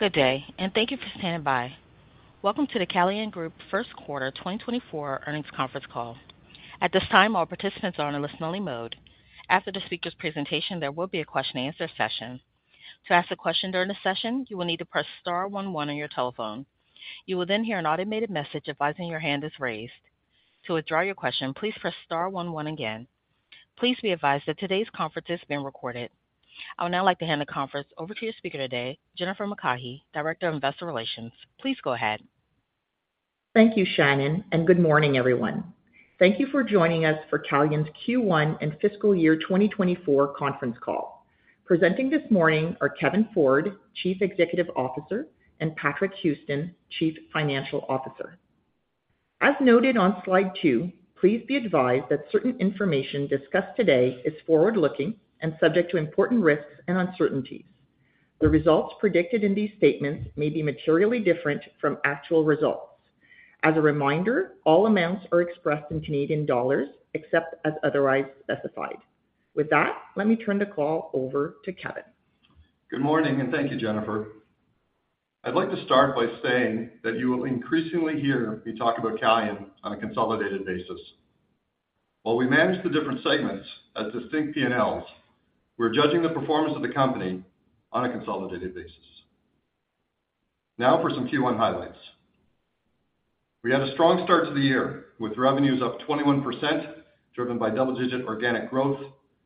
Good day, and thank you for standing by. Welcome to the Calian Group First Quarter 2024 earnings conference call. At this time, all participants are on a listen-only mode. After the speaker's presentation, there will be a question-and-answer session. To ask a question during the session, you will need to press star 11 on your telephone. You will then hear an automated message advising your hand is raised. To withdraw your question, please press star 11 again. Please be advised that today's conference is being recorded. I would now like to hand the conference over to your speaker today, Jennifer McCaughey, Director of Investor Relations. Please go ahead. Thank you, Shannon, and good morning, everyone. Thank you for joining us for Calian's Q1 and fiscal year 2024 conference call. Presenting this morning are Kevin Ford, Chief Executive Officer, and Patrick Houston, Chief Financial Officer. As noted on slide 2, please be advised that certain information discussed today is forward-looking and subject to important risks and uncertainties. The results predicted in these statements may be materially different from actual results. As a reminder, all amounts are expressed in Canadian dollars except as otherwise specified. With that, let me turn the call over to Kevin. Good morning, and thank you, Jennifer. I'd like to start by saying that you will increasingly hear me talk about Calian on a consolidated basis. While we manage the different segments as distinct P&Ls, we're judging the performance of the company on a consolidated basis. Now for some Q1 highlights. We had a strong start to the year with revenues up 21% driven by double-digit organic growth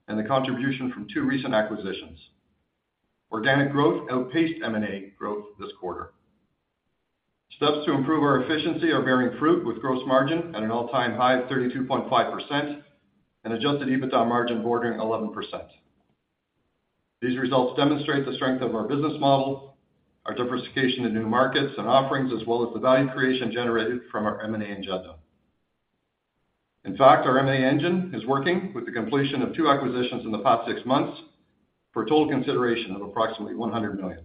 and the contribution from two recent acquisitions. Organic growth outpaced M&A growth this quarter. Steps to improve our efficiency are bearing fruit with gross margin at an all-time high of 32.5% and Adjusted EBITDA margin bordering 11%. These results demonstrate the strength of our business model, our diversification in new markets and offerings, as well as the value creation generated from our M&A agenda. In fact, our M&A engine is working with the completion of two acquisitions in the past six months for a total consideration of approximately 100 million.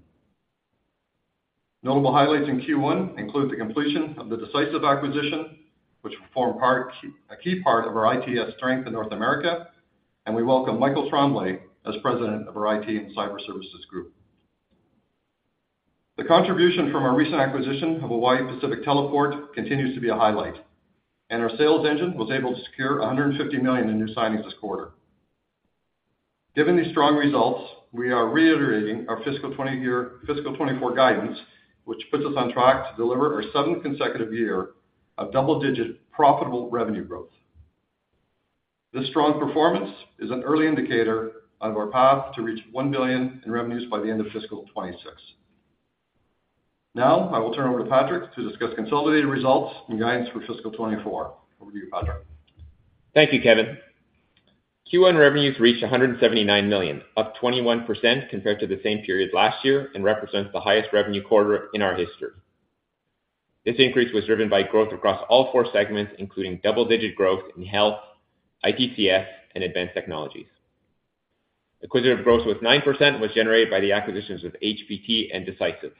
Notable highlights in Q1 include the completion of the Decisive acquisition, which formed a key part of our ITCS strength in North America, and we welcome Michael Tremblay as President of our IT and Cyber Services Group. The contribution from our recent acquisition of Hawaii Pacific Teleport continues to be a highlight, and our sales engine was able to secure 150 million in new signings this quarter. Given these strong results, we are reiterating our fiscal 2024 guidance, which puts us on track to deliver our seventh consecutive year of double-digit profitable revenue growth. This strong performance is an early indicator of our path to reach 1 billion in revenues by the end of fiscal 2026. Now I will turn over to Patrick to discuss consolidated results and guidance for fiscal 2024. Over to you, Patrick. Thank you, Kevin. Q1 revenues reached 179 million, up 21% compared to the same period last year, and represents the highest revenue quarter in our history. This increase was driven by growth across all four segments, including double-digit growth in Health, ITCS, and Advanced Technologies. Acquisitive growth was 9%, which was generated by the acquisitions of HPT and Decisive.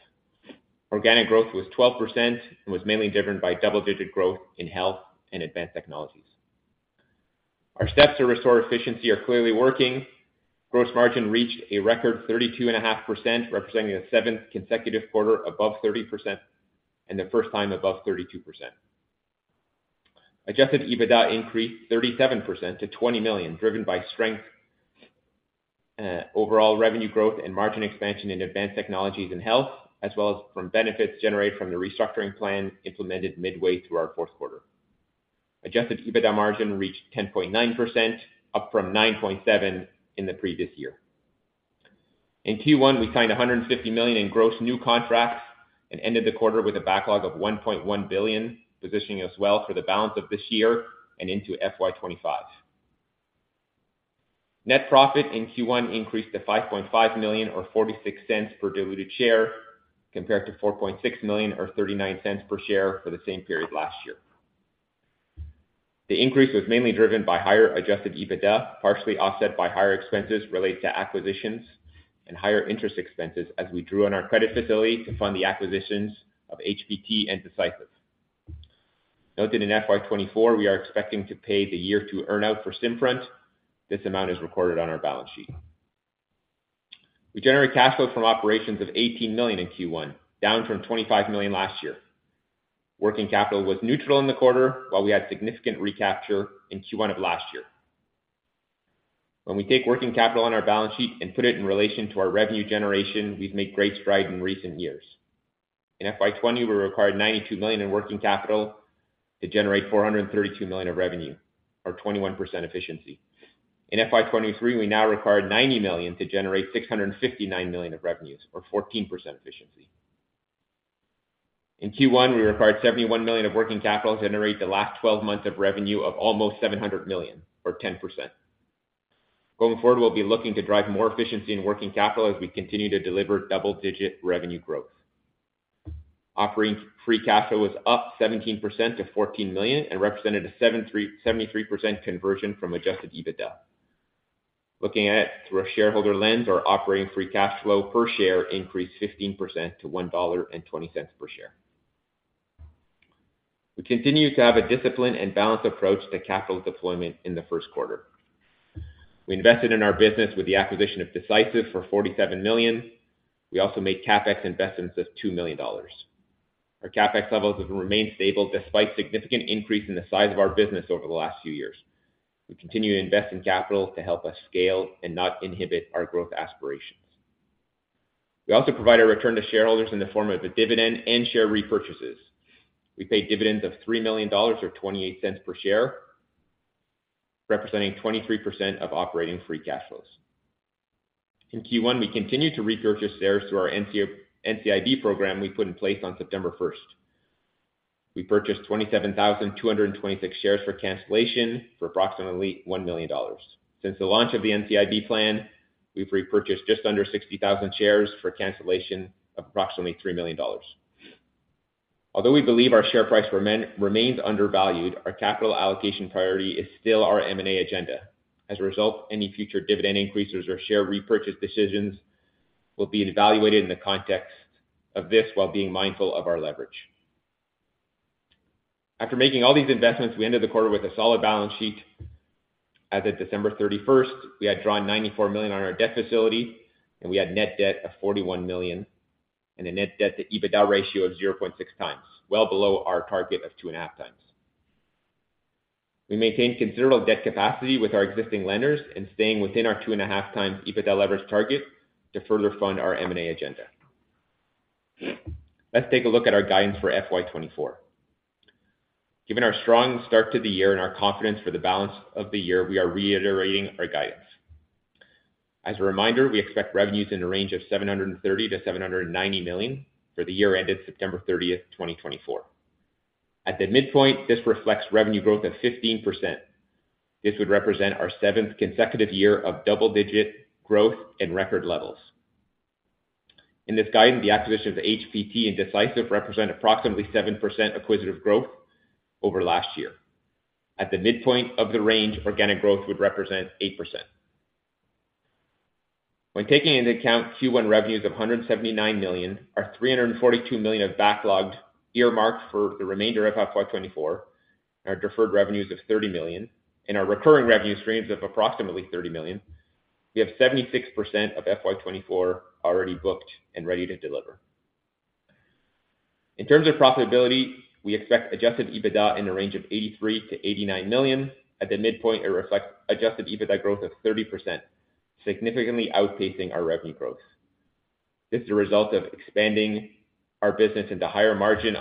Organic growth was 12% and was mainly driven by double-digit growth in Health and Advanced Technologies. Our steps to restore efficiency are clearly working. Gross margin reached a record 32.5%, representing the seventh consecutive quarter above 30% and the first time above 32%. Adjusted EBITDA increased 37% to 20 million, driven by strength, overall revenue growth, and margin expansion in Advanced Technologies and Health, as well as from benefits generated from the restructuring plan implemented midway through our fourth quarter. Adjusted EBITDA margin reached 10.9%, up from 9.7% in the previous year. In Q1, we signed 150 million in gross new contracts and ended the quarter with a backlog of 1.1 billion, positioning us well for the balance of this year and into FY25. Net profit in Q1 increased to 5.5 million or 0.46 per diluted share compared to 4.6 million or 0.39 per share for the same period last year. The increase was mainly driven by higher adjusted EBITDA, partially offset by higher expenses related to acquisitions and higher interest expenses as we drew on our credit facility to fund the acquisitions of HPT and Decisive. Noted in FY24, we are expecting to pay the year two earnout for SimFront. This amount is recorded on our balance sheet. We generated cash flow from operations of 18 million in Q1, down from 25 million last year. Working capital was neutral in the quarter while we had significant recapture in Q1 of last year. When we take working capital on our balance sheet and put it in relation to our revenue generation, we've made great strides in recent years. In FY20, we required 92 million in working capital to generate 432 million of revenue, or 21% efficiency. In FY23, we now required 90 million to generate 659 million of revenues, or 14% efficiency. In Q1, we required 71 million of working capital to generate the last 12 months of revenue of almost 700 million, or 10%. Going forward, we'll be looking to drive more efficiency in working capital as we continue to deliver double-digit revenue growth. Operating Free Cash Flow was up 17% to 14 million and represented a 73% conversion from Adjusted EBITDA. Looking at it through a shareholder lens, our operating free cash flow per share increased 15% to 1.20 dollar per share. We continue to have a disciplined and balanced approach to capital deployment in the first quarter. We invested in our business with the acquisition of Decisive for 47 million. We also made CapEx investments of 2 million dollars. Our CapEx levels have remained stable despite significant increase in the size of our business over the last few years. We continue to invest in capital to help us scale and not inhibit our growth aspirations. We also provide a return to shareholders in the form of a dividend and share repurchases. We paid dividends of 3 million dollars or 0.28 per share, representing 23% of operating free cash flows. In Q1, we continue to repurchase shares through our NCIB program we put in place on September 1st. We purchased 27,226 shares for cancellation for approximately 1 million dollars. Since the launch of the NCIB plan, we've repurchased just under 60,000 shares for cancellation of approximately 3 million dollars. Although we believe our share price remains undervalued, our capital allocation priority is still our M&A agenda. As a result, any future dividend increases or share repurchase decisions will be evaluated in the context of this while being mindful of our leverage. After making all these investments, we ended the quarter with a solid balance sheet. As of December 31st, we had drawn 94 million on our debt facility, and we had net debt of 41 million and a net debt-to-EBITDA ratio of 0.6 times, well below our target of 2.5 times. We maintained considerable debt capacity with our existing lenders and staying within our 2.5 times EBITDA leverage target to further fund our M&A agenda. Let's take a look at our guidance for FY24. Given our strong start to the year and our confidence for the balance of the year, we are reiterating our guidance. As a reminder, we expect revenues in the range of 730 million-790 million for the year ended September 30th, 2024. At the midpoint, this reflects revenue growth of 15%. This would represent our seventh consecutive year of double-digit growth and record levels. In this guidance, the acquisitions of HPT and Decisive represent approximately 7% acquisitive growth over last year. At the midpoint of the range, organic growth would represent 8%. When taking into account Q1 revenues of 179 million, our 342 million of backlog earmarked for the remainder of FY24, and our deferred revenues of 30 million, and our recurring revenue streams of approximately 30 million, we have 76% of FY24 already booked and ready to deliver. In terms of profitability, we expect Adjusted EBITDA in the range of 83 million-89 million. At the midpoint, it reflects Adjusted EBITDA growth of 30%, significantly outpacing our revenue growth. This is a result of expanding our business into higher margin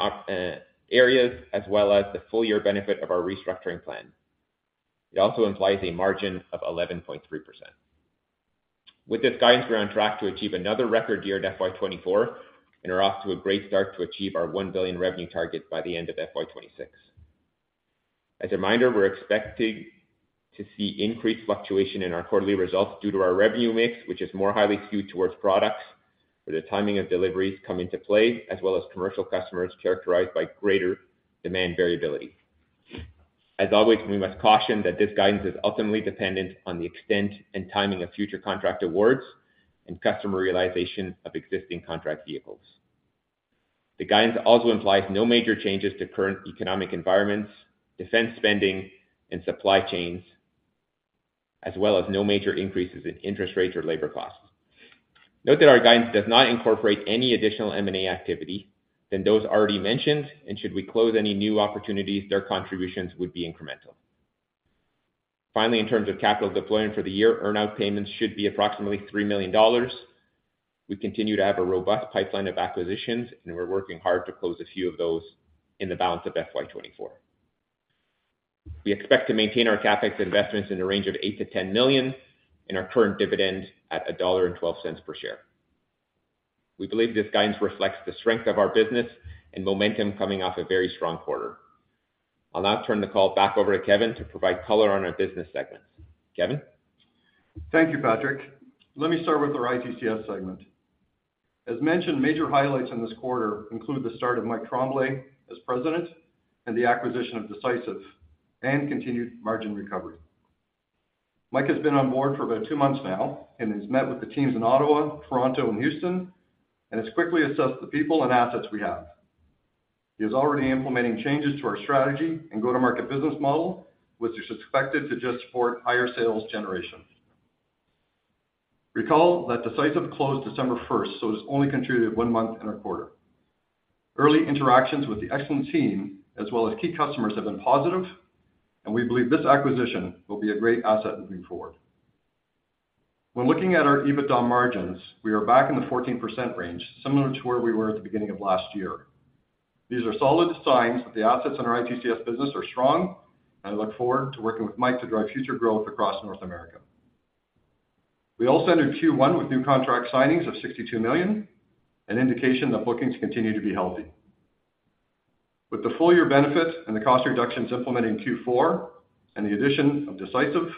areas as well as the full-year benefit of our restructuring plan. It also implies a margin of 11.3%. With this guidance, we're on track to achieve another record year in FY 2024, and we're off to a great start to achieve our 1 billion revenue target by the end of FY 2026. As a reminder, we're expecting to see increased fluctuation in our quarterly results due to our revenue mix, which is more highly skewed towards products where the timing of deliveries comes into play, as well as commercial customers characterized by greater demand variability. As always, we must caution that this guidance is ultimately dependent on the extent and timing of future contract awards and customer realization of existing contract vehicles. The guidance also implies no major changes to current economic environments, defense spending, and supply chains, as well as no major increases in interest rates or labor costs. Note that our guidance does not incorporate any additional M&A activity than those already mentioned, and should we close any new opportunities, their contributions would be incremental. Finally, in terms of capital deployment for the year, earnout payments should be approximately 3 million dollars. We continue to have a robust pipeline of acquisitions, and we're working hard to close a few of those in the balance of FY24. We expect to maintain our CapEx investments in the range of 8 million-10 million and our current dividend at 1.12 dollar per share. We believe this guidance reflects the strength of our business and momentum coming off a very strong quarter. I'll now turn the call back over to Kevin to provide color on our business segments. Kevin? Thank you, Patrick. Let me start with our ITCS segment. As mentioned, major highlights in this quarter include the start of Mike Tremblay as President and the acquisition of Decisive and continued margin recovery. Mike has been on board for about two months now and has met with the teams in Ottawa, Toronto, and Houston, and has quickly assessed the people and assets we have. He is already implementing changes to our strategy and go-to-market business model, which is expected to just support higher sales generation. Recall that Decisive closed December 1st, so it has only contributed one month in our quarter. Early interactions with the excellent team as well as key customers have been positive, and we believe this acquisition will be a great asset moving forward. When looking at our EBITDA margins, we are back in the 14% range, similar to where we were at the beginning of last year. These are solid signs that the assets in our ITCS business are strong, and I look forward to working with Mike to drive future growth across North America. We also ended Q1 with new contract signings of 62 million, an indication that bookings continue to be healthy. With the full-year benefit and the cost reductions implemented in Q4 and the addition of Decisive,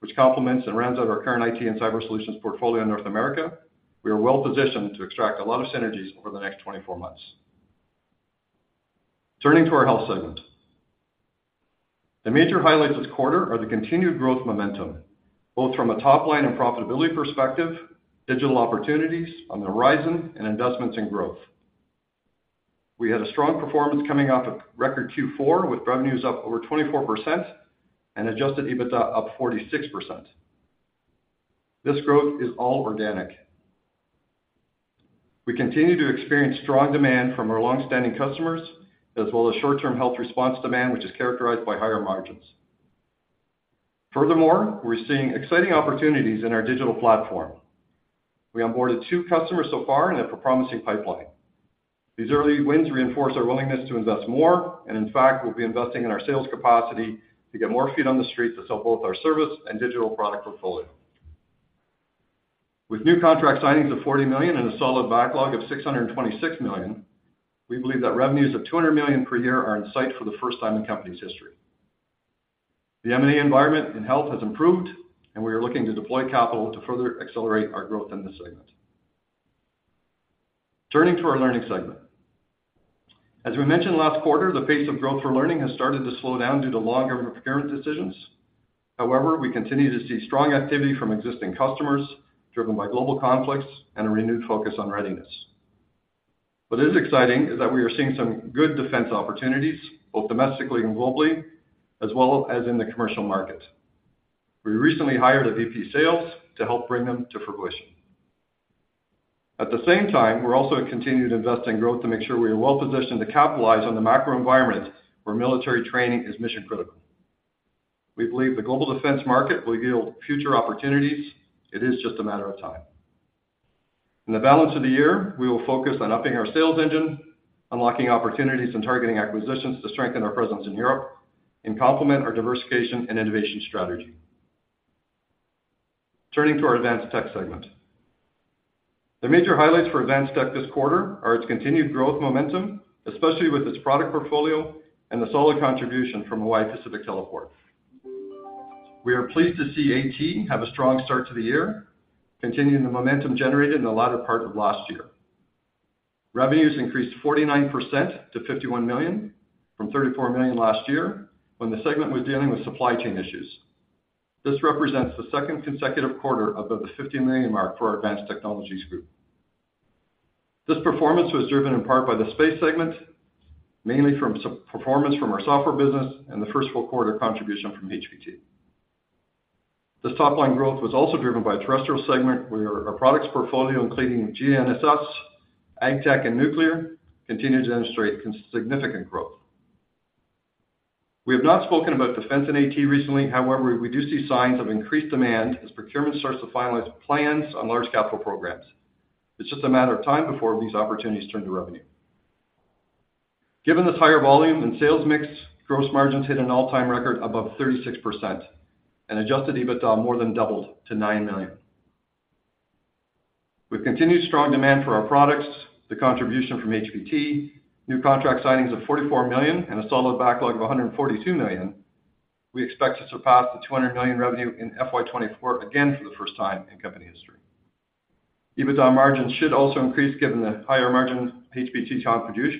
which complements and rounds out our current IT and cyber solutions portfolio in North America, we are well positioned to extract a lot of synergies over the next 24 months. Turning to our Health segment. The major highlights this quarter are the continued growth momentum, both from a top-line and profitability perspective, digital opportunities on the horizon, and investments in growth. We had a strong performance coming off of record Q4 with revenues up over 24% and Adjusted EBITDA up 46%. This growth is all organic. We continue to experience strong demand from our longstanding customers, as well as short-term health response demand, which is characterized by higher margins. Furthermore, we're seeing exciting opportunities in our digital platform. We onboarded two customers so far and have a promising pipeline. These early wins reinforce our willingness to invest more and, in fact, will be investing in our sales capacity to get more feet on the street to sell both our service and digital product portfolio. With new contract signings of 40 million and a solid backlog of 626 million, we believe that revenues of 200 million per year are in sight for the first time in the company's history. The M&A environment in Health has improved, and we are looking to deploy capital to further accelerate our growth in this segment. Turning to our Learning segment. As we mentioned last quarter, the pace of growth for Learning has started to slow down due to longer procurement decisions. However, we continue to see strong activity from existing customers driven by global conflicts and a renewed focus on readiness. What is exciting is that we are seeing some good defense opportunities, both domestically and globally, as well as in the commercial market. We recently hired a VP sales to help bring them to fruition. At the same time, we're also continuing to invest in growth to make sure we are well positioned to capitalize on the macro environment where military training is mission-critical. We believe the global defense market will yield future opportunities. It is just a matter of time. In the balance of the year, we will focus on upping our sales engine, unlocking opportunities, and targeting acquisitions to strengthen our presence in Europe and complement our diversification and innovation strategy. Turning to our Advanced Tech segment. The major highlights for Advanced Tech this quarter are its continued growth momentum, especially with its product portfolio and the solid contribution from Hawaii Pacific Teleport. We are pleased to see AT have a strong start to the year, continuing the momentum generated in the latter part of last year. Revenues increased 49% to 51 million from 34 million last year when the segment was dealing with supply chain issues. This represents the second consecutive quarter above the 50 million mark for our Advanced Technologies group. This performance was driven in part by the space segment, mainly from performance from our software business and the first full-quarter contribution from HPT. This top-line growth was also driven by a terrestrial segment where our products portfolio, including GNSS, AgTech, and nuclear, continue to demonstrate significant growth. We have not spoken about defense and AT recently. However, we do see signs of increased demand as procurement starts to finalize plans on large-capital programs. It's just a matter of time before these opportunities turn to revenue. Given this higher volume and sales mix, gross margins hit an all-time record above 36%, and adjusted EBITDA more than doubled to 9 million. With continued strong demand for our products, the contribution from HPT, new contract signings of 44 million, and a solid backlog of 142 million, we expect to surpass the 200 million revenue in FY2024 again for the first time in company history. EBITDA margins should also increase given the higher margin HPT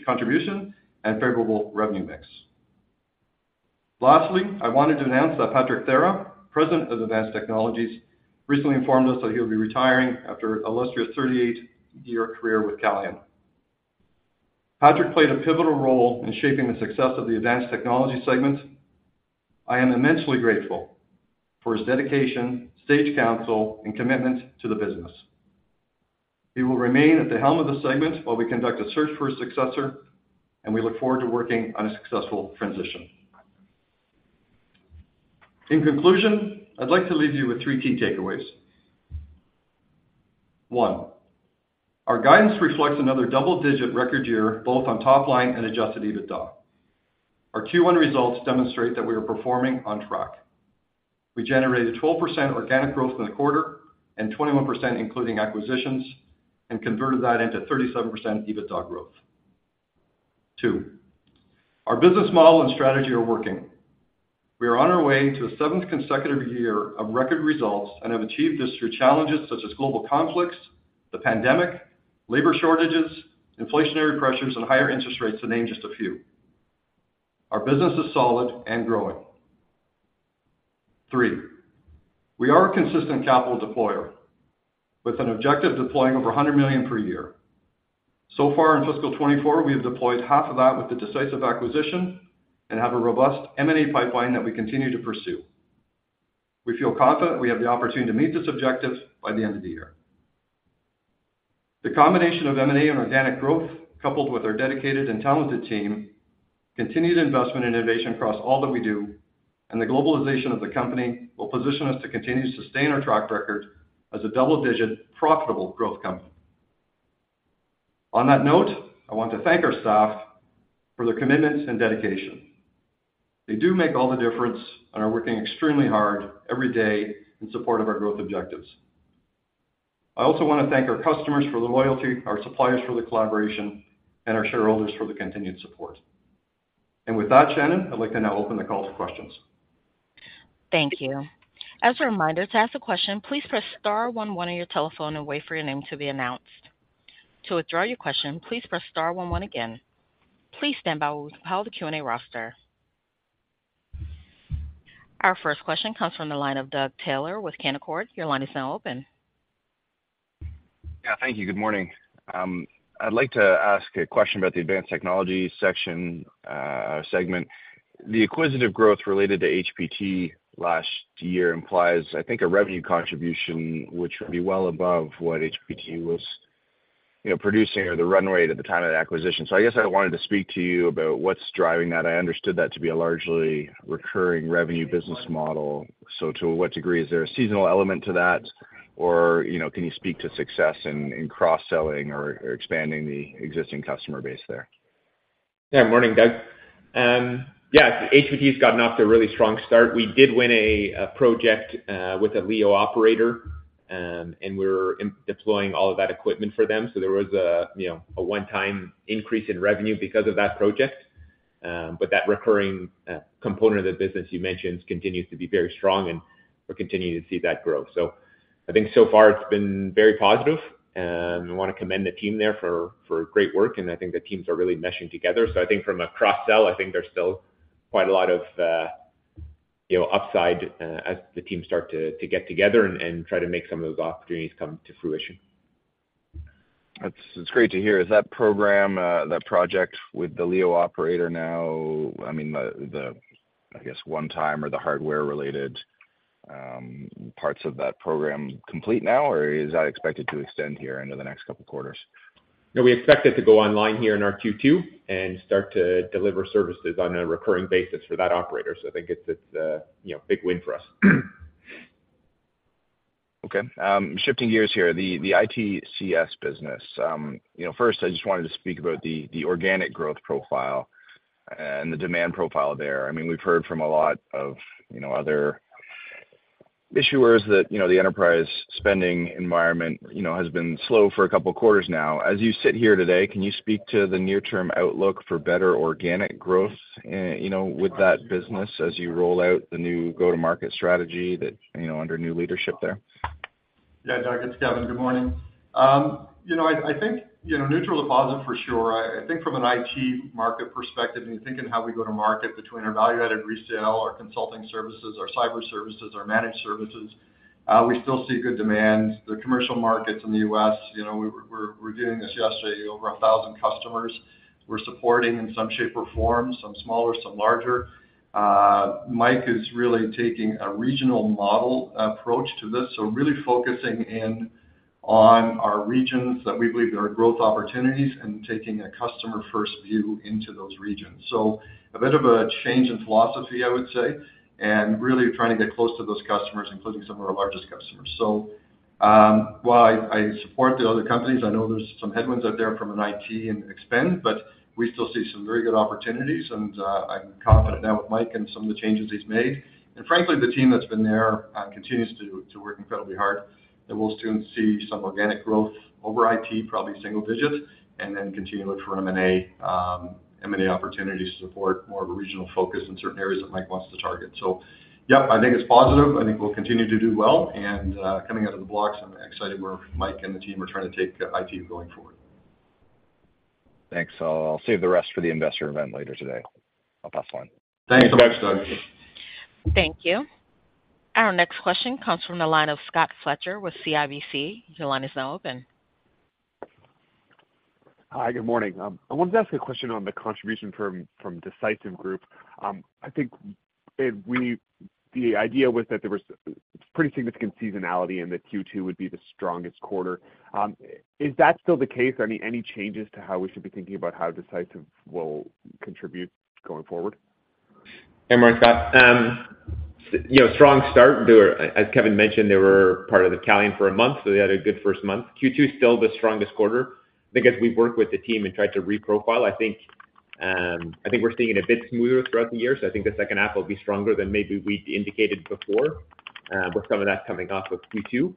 contribution and favorable revenue mix. Lastly, I wanted to announce that Patrick Thera, President of Advanced Technologies, recently informed us that he'll be retiring after an illustrious 38-year career with Calian. Patrick played a pivotal role in shaping the success of the Advanced Technology segment. I am immensely grateful for his dedication, strategic counsel, and commitment to the business. He will remain at the helm of the segment while we conduct a search for his successor, and we look forward to working on a successful transition. In conclusion, I'd like to leave you with three key takeaways. One, our guidance reflects another double-digit record year both on top-line and Adjusted EBITDA. Our Q1 results demonstrate that we are performing on track. We generated 12% organic growth in the quarter and 21% including acquisitions, and converted that into 37% EBITDA growth. Two, our business model and strategy are working. We are on our way to a seventh consecutive year of record results and have achieved this through challenges such as global conflicts, the pandemic, labor shortages, inflationary pressures, and higher interest rates, to name just a few. Our business is solid and growing. Three, we are a consistent capital deployer, with an objective deploying over 100 million per year. So far in fiscal 2024, we have deployed half of that with the Decisive acquisition and have a robust M&A pipeline that we continue to pursue. We feel confident we have the opportunity to meet this objective by the end of the year. The combination of M&A and organic growth, coupled with our dedicated and talented team, continued investment and innovation across all that we do, and the globalization of the company will position us to continue to sustain our track record as a double-digit profitable growth company. On that note, I want to thank our staff for their commitment and dedication. They do make all the difference and are working extremely hard every day in support of our growth objectives. I also want to thank our customers for the loyalty, our suppliers for the collaboration, and our shareholders for the continued support. With that, Shannon, I'd like to now open the call to questions. Thank you. As a reminder, to ask a question, please press star 11 on your telephone and wait for your name to be announced. To withdraw your question, please press star 11 again. Please stand by while we compile the Q&A roster. Our first question comes from the line of Doug Taylor with Canaccord Genuity. Your line is now open. Yeah, thank you. Good morning. I'd like to ask a question about the Advanced Technologies segment. The acquisitive growth related to HPT last year implies, I think, a revenue contribution which would be well above what HPT was producing or the run rate at the time of the acquisition. So I guess I wanted to speak to you about what's driving that. I understood that to be a largely recurring revenue business model. So to what degree is there a seasonal element to that, or can you speak to success in cross-selling or expanding the existing customer base there? Yeah, morning, Doug. Yeah, HPT has gotten off to a really strong start. We did win a project with a LEO operator, and we were deploying all of that equipment for them. So there was a one-time increase in revenue because of that project. But that recurring component of the business you mentioned continues to be very strong, and we're continuing to see that grow. So I think so far it's been very positive. I want to commend the team there for great work, and I think the teams are really meshing together. So I think from a cross-sell, I think there's still quite a lot of upside as the teams start to get together and try to make some of those opportunities come to fruition. It's great to hear. Is that program, that project with the LEO operator now I mean, I guess, one-time or the hardware-related parts of that program complete now, or is that expected to extend here into the next couple of quarters? No, we expect it to go online here in our Q2 and start to deliver services on a recurring basis for that operator. So I think it's a big win for us. Okay. Shifting gears here, the ITCS business. First, I just wanted to speak about the organic growth profile and the demand profile there. I mean, we've heard from a lot of other issuers that the enterprise spending environment has been slow for a couple of quarters now. As you sit here today, can you speak to the near-term outlook for better organic growth with that business as you roll out the new go-to-market strategy under new leadership there? Yeah, Doug. It's Kevin. Good morning. I think neutral to positive, for sure. I think from an IT market perspective, and you're thinking how we go to market between our value-added resale, our consulting services, our cyber services, our managed services, we still see good demand. The commercial markets in the U.S. we reviewed this yesterday: over 1,000 customers. We're supporting in some shape or form, some smaller, some larger. Mike is really taking a regional model approach to this, so really focusing in on our regions that we believe there are growth opportunities and taking a customer-first view into those regions. So a bit of a change in philosophy, I would say, and really trying to get close to those customers, including some of our largest customers. So while I support the other companies, I know there's some headwinds out there from an IT and spend, but we still see some very good opportunities, and I'm confident now with Mike and some of the changes he's made. And frankly, the team that's been there continues to work incredibly hard. We'll soon see some organic growth over IT, probably single-digit, and then continue to look for M&A opportunities to support more of a regional focus in certain areas that Mike wants to target. So yep, I think it's positive. I think we'll continue to do well. And coming out of the blocks, I'm excited where Mike and the team are trying to take IT going forward. Thanks. I'll save the rest for the investor event later today. I'll pass the line. Thanks so much, Doug. Thank you. Our next question comes from the line of Scott Fletcher with CIBC. Your line is now open. Hi, good morning. I wanted to ask a question on the contribution from Decisive Group. I think the idea was that there was pretty significant seasonality and that Q2 would be the strongest quarter. Is that still the case? Any changes to how we should be thinking about how Decisive will contribute going forward? Hey, morning, Scott. Strong start. As Kevin mentioned, they were part of Calian for a month, so they had a good first month. Q2 is still the strongest quarter. I think as we've worked with the team and tried to reprofile, I think we're seeing it a bit smoother throughout the year. So I think the second half will be stronger than maybe we indicated before with some of that coming off of Q2.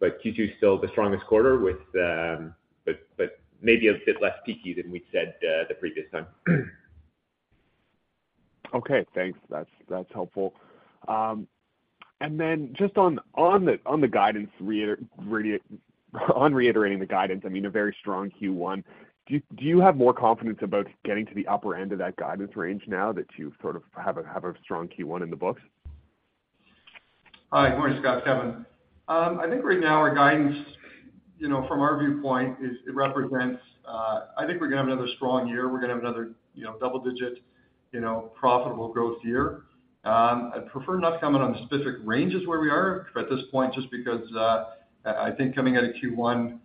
But Q2 is still the strongest quarter, but maybe a bit less peaky than we'd said the previous time. Okay, thanks. That's helpful. And then just on the guidance, on reiterating the guidance, I mean, a very strong Q1, do you have more confidence about getting to the upper end of that guidance range now that you sort of have a strong Q1 in the books? Hi, good morning, Scott, Kevin. I think right now our guidance, from our viewpoint, it represents. I think we're going to have another strong year. We're going to have another double-digit profitable growth year. I'd prefer not comment on the specific ranges where we are at this point, just because I think coming out of Q1,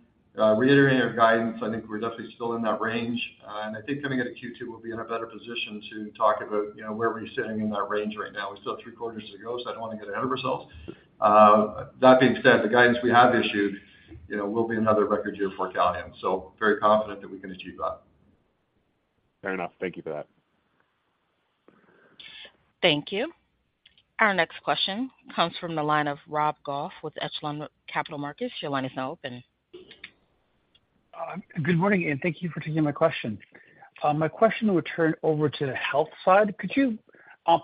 reiterating our guidance, I think we're definitely still in that range. And I think coming out of Q2 we'll be in a better position to talk about where we're sitting in that range right now. We still have three quarters to go, so I don't want to get ahead of ourselves. That being said, the guidance we have issued will be another record year for Calian. So very confident that we can achieve that. Fair enough. Thank you for that. Thank you. Our next question comes from the line of Rob Goff with Echelon Capital Markets. Your line is now open. Good morning, and thank you for taking my question. My question would turn over to the Health side. Could you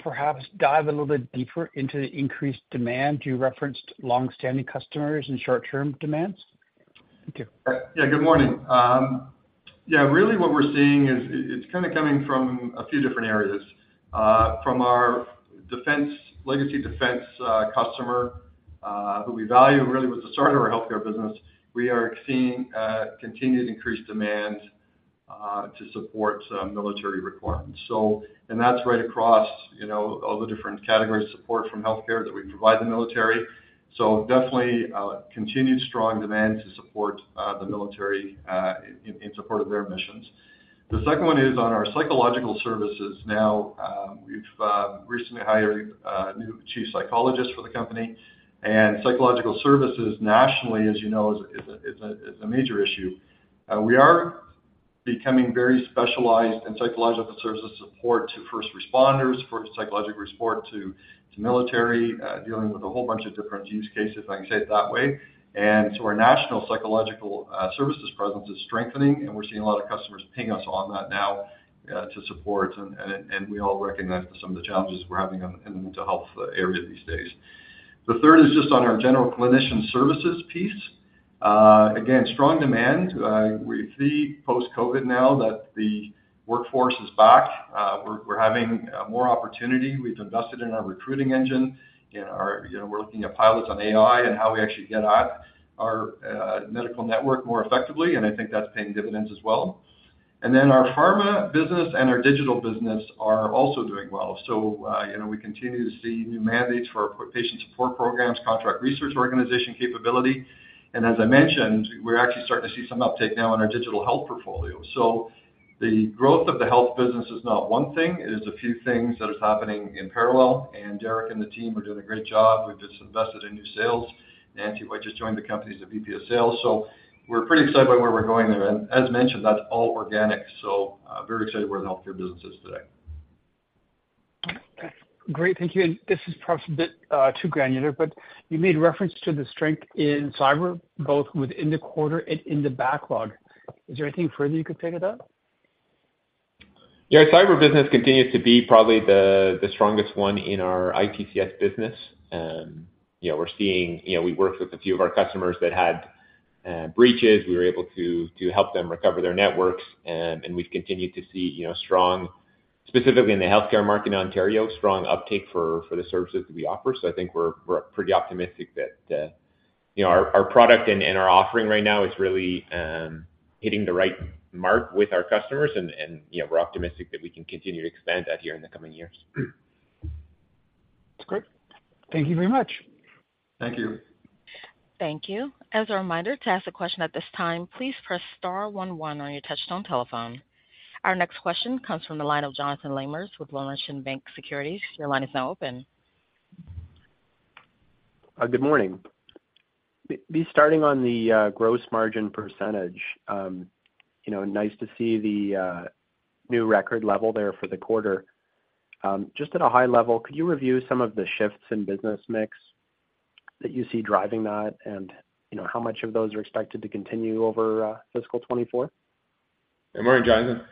perhaps dive a little bit deeper into the increased demand you referenced, long-standing customers and short-term demands? Thank you. Yeah, good morning. Yeah, really what we're seeing is it's kind of coming from a few different areas. From our legacy defense customer who we value, really was the start of our healthcare business, we are seeing continued increased demand to support military requirements. And that's right across all the different categories of support from healthcare that we provide the military. So definitely continued strong demand to support the military in support of their missions. The second one is on our psychological services now. We've recently hired a new chief psychologist for the company. And psychological services nationally, as you know, is a major issue. We are becoming very specialized in psychological services support to first responders, first psychological support to military, dealing with a whole bunch of different use cases, if I can say it that way. Our national psychological services presence is strengthening, and we're seeing a lot of customers ping us on that now to support. We all recognize some of the challenges we're having in the mental health area these days. The third is just on our general clinician services piece. Again, strong demand. We see post-COVID now that the workforce is back. We're having more opportunity. We've invested in our recruiting engine. We're looking at pilots on AI and how we actually get at our medical network more effectively, and I think that's paying dividends as well. Our pharma business and our digital business are also doing well. We continue to see new mandates for our patient support programs, contract research organization capability. As I mentioned, we're actually starting to see some uptake now in our digital health portfolio. The growth of the Health business is not one thing. It is a few things that are happening in parallel. Derek and the team are doing a great job. We've just invested in new sales. Nancy White just joined the company as a VP of Sales. We're pretty excited by where we're going there. As mentioned, that's all organic. Very excited where the healthcare business is today. Great. Thank you. And this is perhaps a bit too granular, but you made reference to the strength in cyber, both within the quarter and in the backlog. Is there anything further you could pick it up? Yeah, cyber business continues to be probably the strongest one in our ITCS business. We're seeing we worked with a few of our customers that had breaches. We were able to help them recover their networks, and we've continued to see strong, specifically in the healthcare market in Ontario, strong uptake for the services that we offer. So I think we're pretty optimistic that our product and our offering right now is really hitting the right mark with our customers, and we're optimistic that we can continue to expand that here in the coming years. That's great. Thank you very much. Thank you. Thank you. As a reminder, to ask a question at this time, please press star 11 on your touch-tone telephone. Our next question comes from the line of Jonathan Lamers with Laurentian Bank Securities. Your line is now open. Good morning. We'll be starting on the gross margin percentage. Nice to see the new record level there for the quarter. Just at a high level, could you review some of the shifts in business mix that you see driving that and how much of those are expected to continue over fiscal 2024? Hey, morning, Jonathan.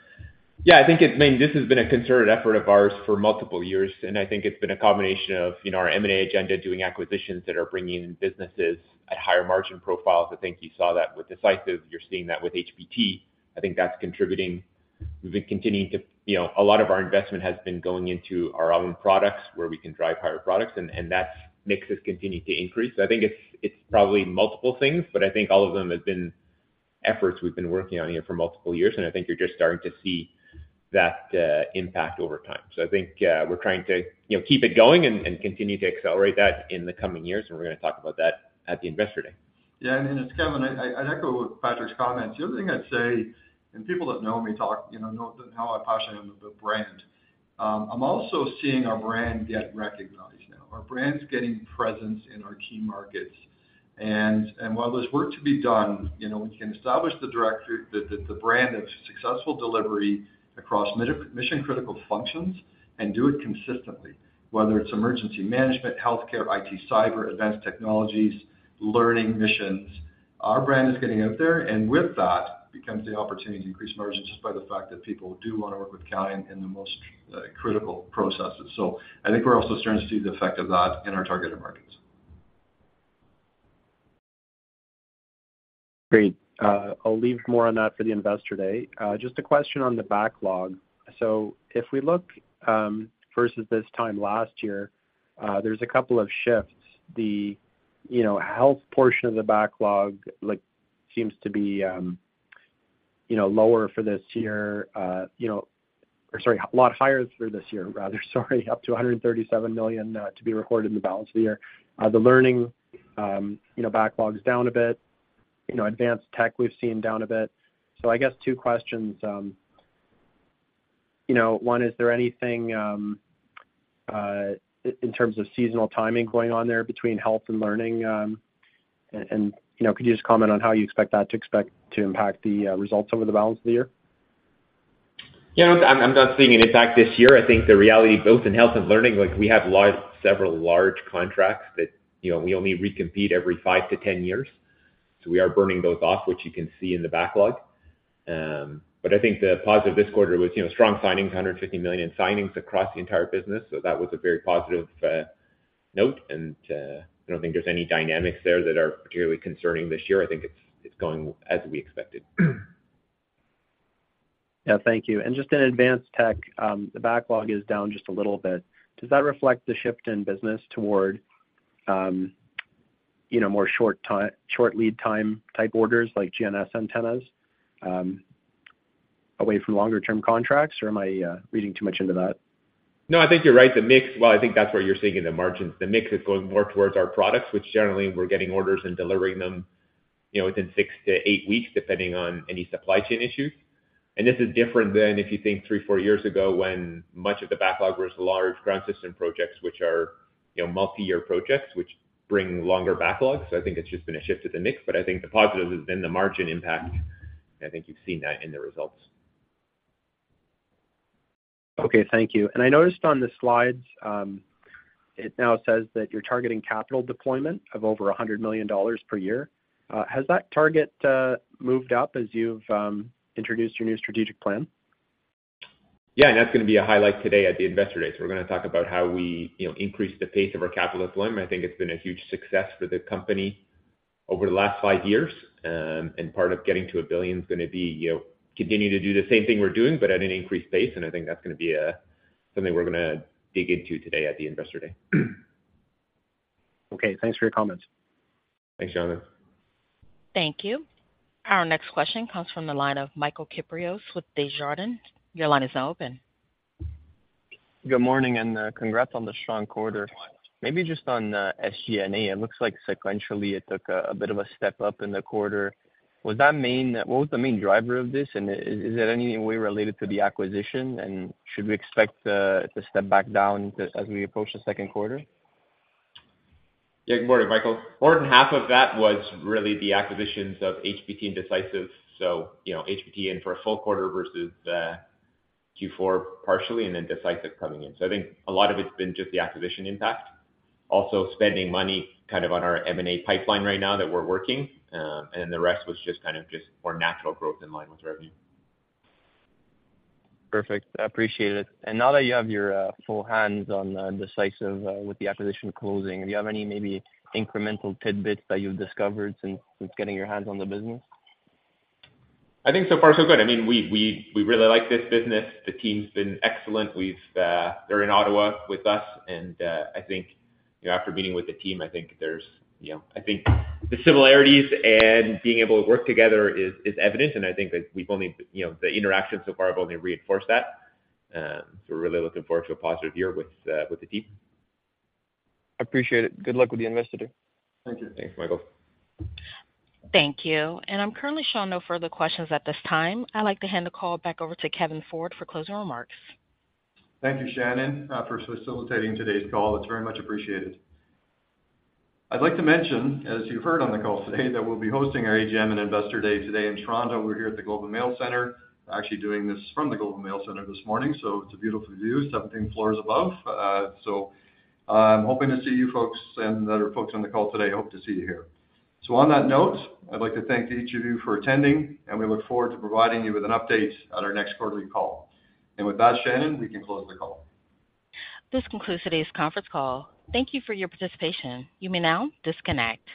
Yeah, I think it, I mean, this has been a concerted effort of ours for multiple years, and I think it's been a combination of our M&A agenda, doing acquisitions that are bringing in businesses at higher margin profiles. I think you saw that with Decisive. You're seeing that with HPT. I think that's contributing. We've been continuing to; a lot of our investment has been going into our own products where we can drive higher products, and that mix has continued to increase. So I think it's probably multiple things, but I think all of them have been efforts we've been working on here for multiple years, and I think you're just starting to see that impact over time. I think we're trying to keep it going and continue to accelerate that in the coming years, and we're going to talk about that at the Investor Day. Yeah, and as Kevin, I'd echo Patrick's comments. The other thing I'd say, and people that know me know how passionate I am about brand, I'm also seeing our brand get recognized now. Our brand's getting presence in our key markets. And while there's work to be done, we can establish the brand of successful delivery across mission-critical functions and do it consistently, whether it's emergency management, healthcare, IT, cyber, advanced technologies, learning missions. Our brand is getting out there, and with that becomes the opportunity to increase margin just by the fact that people do want to work with Calian in the most critical processes. So I think we're also starting to see the effect of that in our targeted markets. Great. I'll leave more on that for the Investor Day. Just a question on the backlog. So if we look versus this time last year, there's a couple of shifts. The Health portion of the backlog seems to be lower for this year or sorry, a lot higher for this year, rather. Sorry, up to 137 million to be recorded in the balance of the year. The Learning backlog is down a bit. Advanced tech, we've seen down a bit. So I guess two questions. One, is there anything in terms of seasonal timing going on there between Health and Learning? And could you just comment on how you expect that to impact the results over the balance of the year? Yeah, I'm not seeing an impact this year. I think the reality, both in Health and Learning, we have several large contracts that we only recompete every 5-10 years. So we are burning those off, which you can see in the backlog. But I think the positive this quarter was strong signings, 150 million signings across the entire business. So that was a very positive note, and I don't think there's any dynamics there that are particularly concerning this year. I think it's going as we expected. Yeah, thank you. And just in advanced tech, the backlog is down just a little bit. Does that reflect the shift in business toward more short lead time type orders like GNSS antennas away from longer-term contracts, or am I reading too much into that? No, I think you're right. The mix, well, I think that's where you're seeing in the margins. The mix is going more towards our products, which generally, we're getting orders and delivering them within 6-8 weeks, depending on any supply chain issues. And this is different than if you think 3-4 years ago when much of the backlog was large ground system projects, which are multi-year projects, which bring longer backlogs. So I think it's just been a shift to the mix, but I think the positive has been the margin impact, and I think you've seen that in the results. Okay, thank you. I noticed on the slides, it now says that you're targeting capital deployment of over 100 million dollars per year. Has that target moved up as you've introduced your new strategic plan? Yeah, and that's going to be a highlight today at the Investor Day. So we're going to talk about how we increase the pace of our capital deployment. I think it's been a huge success for the company over the last five years, and part of getting to 1 billion is going to be continue to do the same thing we're doing, but at an increased pace. And I think that's going to be something we're going to dig into today at the Investor Day. Okay, thanks for your comments. Thanks, Jonathan. Thank you. Our next question comes from the line of Michael Kypreos with Desjardins. Your line is now open. Good morning, and congrats on the strong quarter. Maybe just on SG&A. It looks like sequentially, it took a bit of a step up in the quarter. Was that mainly what was the main driver of this, and is it in any way related to the acquisition, and should we expect to step back down as we approach the second quarter? Yeah, good morning, Michael. More than half of that was really the acquisitions of HPT and Decisive. So HPT in for a full quarter versus Q4 partially, and then Decisive coming in. So I think a lot of it's been just the acquisition impact, also spending money kind of on our M&A pipeline right now that we're working, and then the rest was just kind of just more natural growth in line with revenue. Perfect. I appreciate it. And now that you have your full hands on Decisive with the acquisition closing, do you have any maybe incremental tidbits that you've discovered since getting your hands on the business? I think so far, so good. I mean, we really like this business. The team's been excellent. They're in Ottawa with us, and I think after meeting with the team, I think the similarities and being able to work together is evident, and I think that the interactions so far have only reinforced that. So we're really looking forward to a positive year with the team. I appreciate it. Good luck with the Investor Day. Thank you. Thanks, Michael. Thank you. I'm currently showing no further questions at this time. I'd like to hand the call back over to Kevin Ford for closing remarks. Thank you, Shannon, for facilitating today's call. It's very much appreciated. I'd like to mention, as you've heard on the call today, that we'll be hosting our AGM and Investor Day today in Toronto. We're here at the Globe and Mail Centre. We're actually doing this from the Globe and Mail Centre this morning, so it's a beautiful view, 17 floors above. So I'm hoping to see you folks and the other folks on the call today. I hope to see you here. So on that note, I'd like to thank each of you for attending, and we look forward to providing you with an update at our next quarterly call. And with that, Shannon, we can close the call. This concludes today's conference call. Thank you for your participation. You may now disconnect.